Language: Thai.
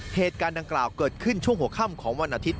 เหตุการณ์ดังกล่าวเกิดขึ้นช่วงหัวค่ำของวันอาทิตย